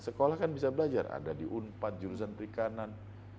sekolah kan bisa belajar ada di unpad jurusan perikanan